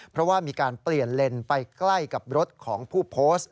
เพราะว่ามีการเปลี่ยนเลนไปใกล้กับรถของผู้โพสต์